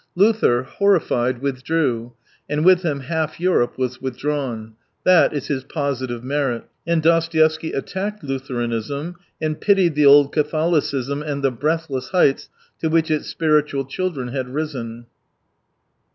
Luther, horrified, withdrew, and with him half Europe was withdrawn. That is his positive merit. And Dostoevsky attacked Luther anism, and pitied the old Catholicism and the breathless heights to which its "spiritual'* children had risen.